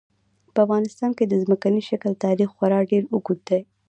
په افغانستان کې د ځمکني شکل تاریخ خورا ډېر اوږد دی.